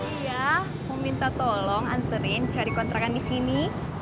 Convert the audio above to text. iya mau minta tolong anterin cari kontrakan di sini